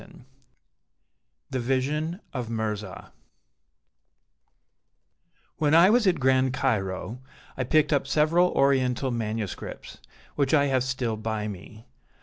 Scott THE VISION OF MIRZAH When I was at Grand Cairo, I picked up several Oriental manuscripts, which I have still by me.